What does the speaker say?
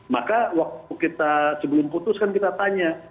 maka waktu kita sebelum putus kan kita tanya